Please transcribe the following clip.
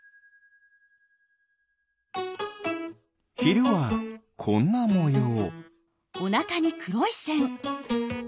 ひるはこんなもよう。